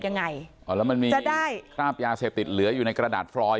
ยังไงอ๋อแล้วมันมีก็ได้คราบยาเสพติดเหลืออยู่ในกระดาษฟรอย